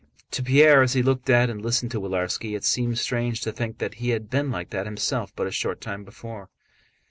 To Pierre as he looked at and listened to Willarski, it seemed strange to think that he had been like that himself but a short time before.